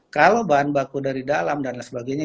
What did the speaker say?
kalau bahan baku dari dalam dan lain sebagainya